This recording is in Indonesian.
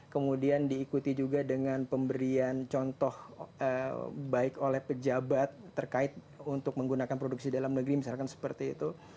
kemudian diikuti juga dengan pemberian contoh baik oleh pejabat terkait untuk menggunakan produksi dalam negeri misalkan seperti itu